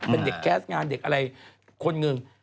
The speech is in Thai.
เป็นเด็กแก๊สงานเด็กอะไรคนหนึ่ง